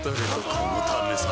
このためさ